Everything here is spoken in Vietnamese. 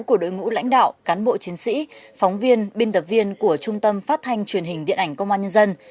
của đội ngũ lãnh đạo cán bộ chiến sĩ phóng viên biên tập viên của trung tâm phát thanh truyền hình điện ảnh công an nhân dân